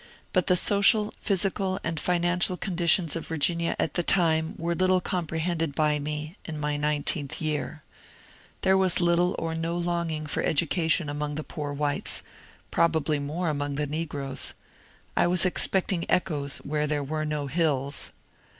But the social, physical, and financial conditions of Vir ginia at the time were little comprehended by me, in my nine teenth year. There was little or no longing for education among the poor whites — probably more among the negroes. I was expecting echoes where there were no hills.